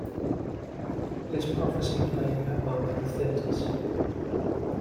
Is Prophecy playing at Malco Theatres